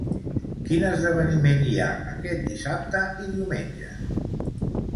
Quin esdeveniment hi ha aquest dissabte i diumenge?